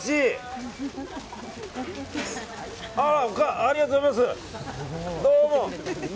ありがとうございます。